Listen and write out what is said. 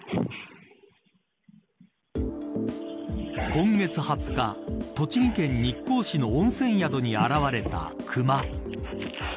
今月２０日栃木県日光市の温泉宿に現れたクマ。